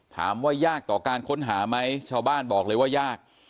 ถามว่ายากต่อการค้นหาไหมชาวบ้านบอกเลยว่ายาก